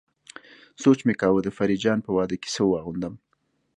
سوچ مې کاوه د فريد جان په واده کې څه واغوندم.